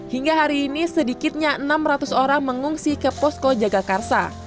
hingga hari ini sedikitnya enam ratus orang mengungsi ke posko jagakarsa